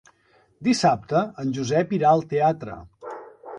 Dissabte en Josep irà al teatre.